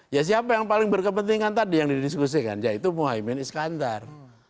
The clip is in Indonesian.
ya siapa yang paling berkepentingan tadi yang didiskusikan yaitu muhaymin iskandar